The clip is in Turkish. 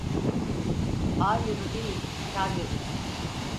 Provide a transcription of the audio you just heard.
Ar yılı değil, kâr yılı.